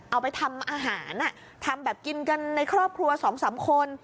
เอาไปทำอาหารทำแบบกินกันในครอบครัว๒๓คน